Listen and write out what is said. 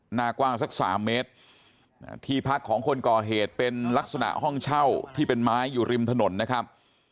หน้ากว้างสักสามเมตรที่พักของคนก่อเหตุเป็นลักษณะห้องเช่าที่เป็นไม้อยู่ริมถนนนะครับ